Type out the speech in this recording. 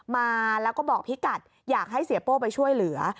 มาแล้วก็บอกพี่กัดอยากให้เสียโป้ไปช่วยเหลือ